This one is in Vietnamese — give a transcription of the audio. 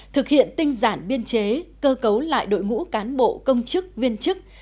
thực hiện tinh giản biên chế cơ cấu lại đội ngũ cán bộ công chức viên chức